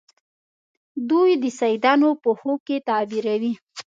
دوی د سیدانو په خوب کې تعبیروي.